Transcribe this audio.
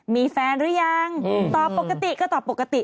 มีแฟนหรือยังตอบปกติก็ตอบปกติ